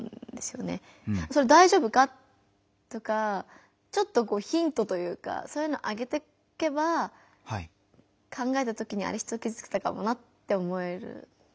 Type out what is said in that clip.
「それ大丈夫か？」とかちょっとヒントというかそういうのをあげていけば考えた時に「人をきずつけたかも」って思えると思うから。